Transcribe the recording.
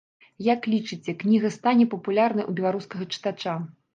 Як лічыце, кніга стане папулярнай у беларускага чытача?